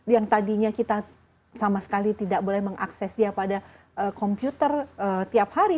yang tadinya kita sama sekali tidak boleh mengakses dia pada komputer tiap hari